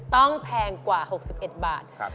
ต้องแพงกว่า๖๑บาท